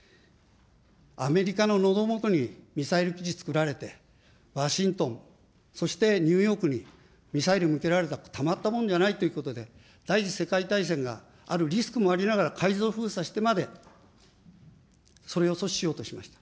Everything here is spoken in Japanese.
アメリカののど元にミサイル基地造られて、ワシントン、そしてニューヨークにミサイル向けられた、たまったもんじゃないということで、第２次世界大戦があるリスクもありながら、海上封鎖してまで、それを阻止しようとしました。